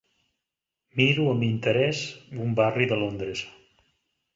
Miro amb interès un barri de Londres.